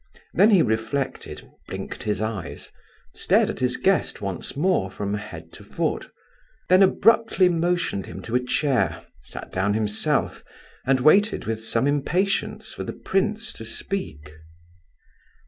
Then he reflected, blinked his eyes, stared at his guest once more from head to foot; then abruptly motioned him to a chair, sat down himself, and waited with some impatience for the prince to speak.